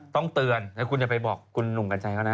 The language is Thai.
ต้องเตือนแล้วคุณอย่าไปบอกคุณหนุ่มกัญชัยเขานะ